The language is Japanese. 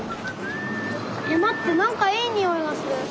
まってなんかいいにおいがする！